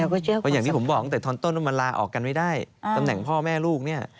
เพราะอย่างที่ผมบอกตั้งแต่ตอนต้นว่ามันลาออกกันไม่ได้ตำแหน่งพ่อแม่ลูกเนี่ย